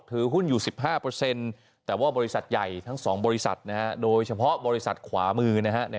ถือหุ้นอยู่๑๕แต่ว่าบริษัทใหญ่ทั้ง๒บริษัทนะฮะโดยเฉพาะบริษัทขวามือนะฮะ